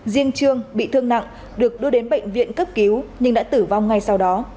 riêng trương bị thương nặng được đưa đến bệnh viện cấp cứu nhưng đã tử vong ngay sau đó